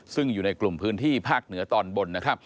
ซึ่งอยู่ในกลุ่มพื้นที่ภาคเหนือตอนบนนะครับ